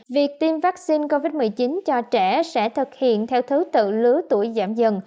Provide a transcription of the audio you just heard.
việc tiêm vaccine covid một mươi chín cho trẻ sẽ thực hiện theo thứ tự lứa tuổi giảm dần